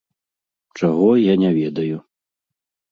Чаго, я не ведаю.